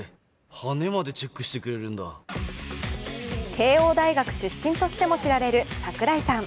慶応大学出身としても知られる櫻井さん。